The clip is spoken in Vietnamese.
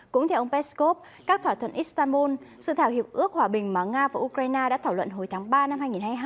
cũng theo ông peskov các thỏa thuận istanbul sự thảo hiệp ước hòa bình mà nga và ukraine đã thảo luận hồi tháng ba năm hai nghìn hai mươi hai